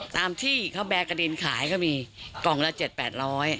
ตามที่เขาแบร์กระดินขายก็มีกล่องละ๗๘๐๐บาท